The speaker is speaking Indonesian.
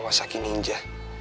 terus ada pembahasan juga